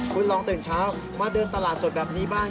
คุณลองตื่นเช้ามาเดินตลาดสดแบบนี้บ้าง